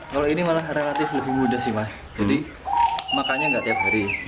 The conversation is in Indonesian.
kalau ini malah relatif lebih mudah sih mas jadi makannya nggak tiap hari